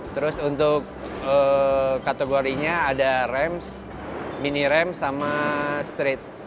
terus untuk kategorinya ada ramps mini ramps sama street